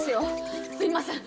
すいません